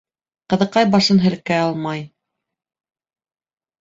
Ҡыҙыҡай башын һелкә, алмай.